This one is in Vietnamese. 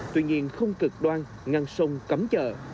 tuy nhiên không cực đoan ngăn sông cấm chợ